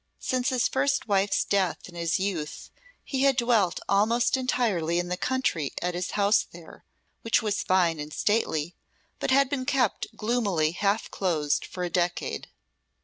Since his first wife's death in his youth, he had dwelt almost entirely in the country at his house there, which was fine and stately, but had been kept gloomily half closed for a decade.